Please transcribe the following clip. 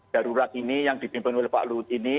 darurat ini yang dipimpin oleh pak luhut ini